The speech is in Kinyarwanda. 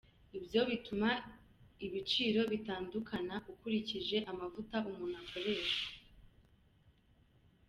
Ibyo bituma ibiciro bitandukana ukurikije amavuta umuntu akoresha.